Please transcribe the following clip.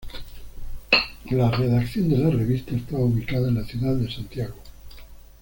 La redacción de la revista estaba ubicada en la ciudad de Santiago.